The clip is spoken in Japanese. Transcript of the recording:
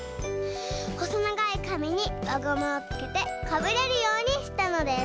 ほそながいかみにわゴムをつけてかぶれるようにしたのです。